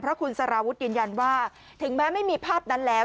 เพราะคุณสารวุฒิยืนยันว่าถึงแม้ไม่มีภาพนั้นแล้ว